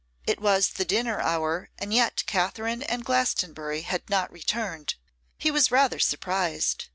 It was the dinner hour, and yet Katherine and Glastonbury had not returned. He was rather surprised.